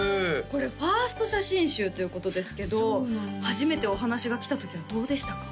これ１ｓｔ写真集ということですけど初めてお話が来た時はどうでしたか？